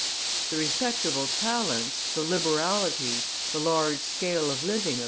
The respectable talents, the liberality, the large scale of living of M.